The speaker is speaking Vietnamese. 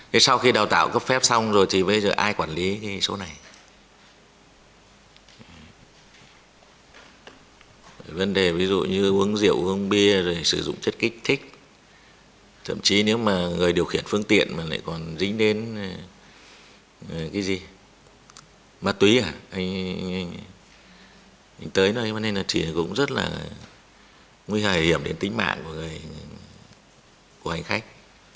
mà tùy hả anh tới nó nên nó chỉ cũng rất là nguy hiểm đến tính mạng của anh khách